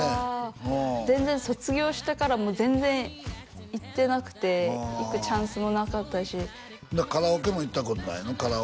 うん全然卒業してからも全然行ってなくて行くチャンスもなかったしカラオケも行ったことないの？